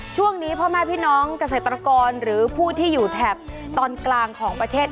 ช่วงนี้พ่อแม่พี่น้องเกษตรกรหรือผู้ที่อยู่แถบตอนกลางของประเทศ